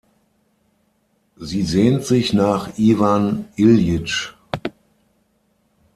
Sie sehnt sich nach Iwan Iljitsch.